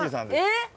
えっ！？